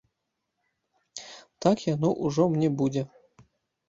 Так яно ўжо мне будзе.